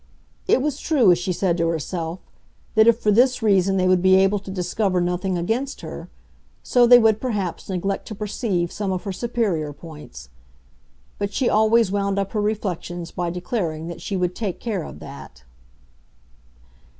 It was true, as she said to herself, that if for this reason they would be able to discover nothing against her, so they would perhaps neglect to perceive some of her superior points; but she always wound up her reflections by declaring that she would take care of that.